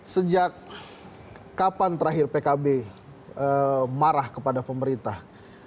sejak kapan terakhir pkb marah kepada pemerintah